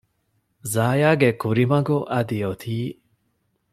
ޒާޔާގެ ކުރިމަގު އަދި އޮތީ